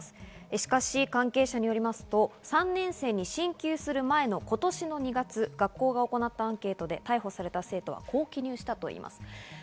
しかし、関係者によりますと、３年生に進級する前の今年２月、学校が行ったアンケートで逮捕された生徒はこう記入していました。